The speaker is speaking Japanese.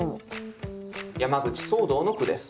山口草堂の句です。